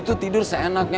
dia tuh tidur seenaknya